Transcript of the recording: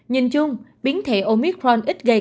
nhìn chung biến thể omicron ít gây